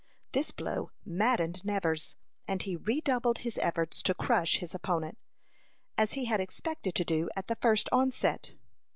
This blow maddened Nevers, and he redoubled his efforts to crush his opponent, as he had expected to do at the first onset.